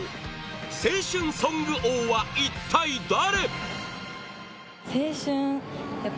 青春ソング王は一体誰？